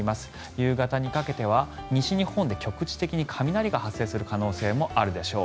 夕方にかけては西日本で局地的に雷が発生する可能性もあるでしょう。